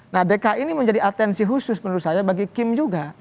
nah dki ini menjadi atensi khusus menurut saya bagi kim juga